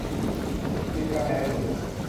จิบกาแฟอุ่น